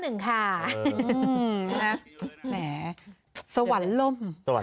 แหมสวรรค์ล่ม